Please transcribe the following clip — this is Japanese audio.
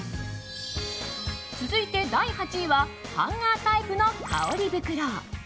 続いて、第８位はハンガータイプの香り袋。